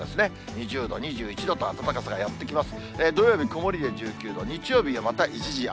２０度、２１度と、暖かさがやって来ます。